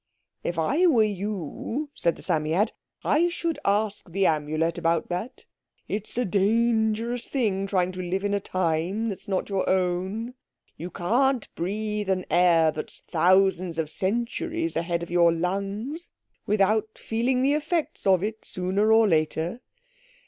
"If I were you," said the Psammead, "I should ask the Amulet about that. It's a dangerous thing, trying to live in a time that's not your own. You can't breathe an air that's thousands of centuries ahead of your lungs without feeling the effects of it, sooner or later.